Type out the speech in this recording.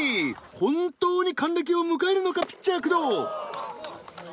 本当に還暦を迎えるのかピッチャー工藤！